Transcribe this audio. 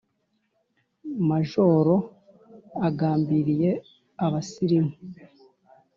Majoro agambiriye Abasilimu